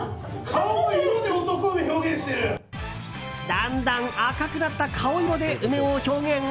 だんだん赤くなった顔色で梅を表現？